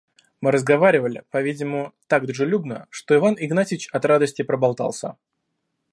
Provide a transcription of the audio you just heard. Мы разговаривали, по-видимому, так дружелюбно, что Иван Игнатьич от радости проболтался.